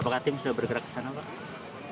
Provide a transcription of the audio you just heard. apakah tim sudah bergerak ke sana pak